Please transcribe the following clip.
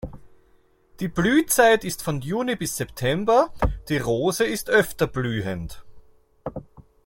Die Blühzeit ist von Juni bis September, die Rose ist öfter blühend.